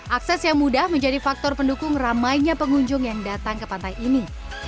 akses yang mudah menjadi faktor pendukung ramainya pengunjung yang datang ke pantai ini